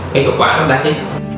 để hiệu quả đáng nhớ